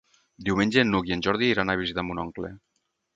Diumenge n'Hug i en Jordi iran a visitar mon oncle.